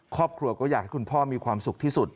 ครอบครัวก็อยากให้คุณพ่อมีความสุขที่สุด